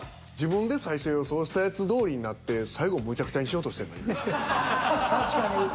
自分で最初予想したやつどおりになって最後むちゃくちゃにしようとしてんの？